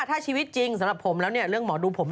โอลี่คัมรี่ยากที่ใครจะตามทันโอลี่คัมรี่ยากที่ใครจะตามทัน